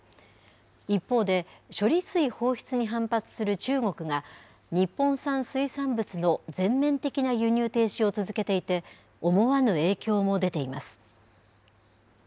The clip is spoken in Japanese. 一方で、処理水放出に反発する中国が、日本産水産物の全面的な輸入停止を続けていて、思わぬ影響も出ています。